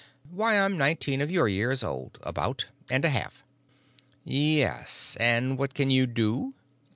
"Why, I'm nineteen of your years old, about. And a half." "Yes. And what can you do?"